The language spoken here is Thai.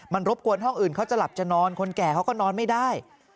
มันรบกวนห้องอื่นเขาจะหลับจะนอนคนแก่เขาก็นอนไม่ได้